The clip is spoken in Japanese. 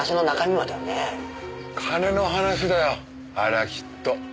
金の話だよあれはきっと。